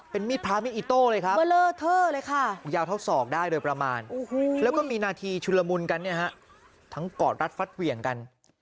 เป็นมีดพระมิดอิโต้เลยครับยาวเท่าศอกได้โดยประมาณแล้วก็มีนาธีชุลมุนกันเนี่ยฮะทั้งกอดรัฐฟัดเหวี่ยงกัน